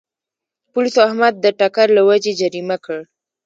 پولیسو احمد د ټکر له وجې جریمه کړ.